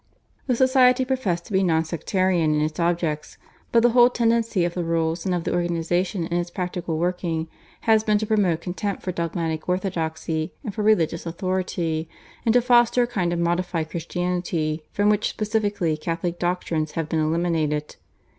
The society professed to be non sectarian in its objects, but the whole tendency of the rules and of the organisation in its practical working has been to promote contempt for dogmatic orthodoxy and for religious authority, and to foster a kind of modified Christianity from which specifically Catholic doctrines have been eliminated.